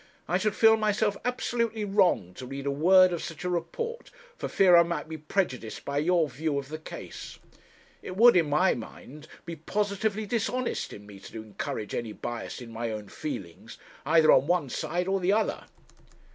I should feel myself absolutely wrong to read a word of such a report, for fear I might be prejudiced by your view of the case. It would, in my mind, be positively dishonest in me to encourage any bias in my own feelings either on one side or the other.'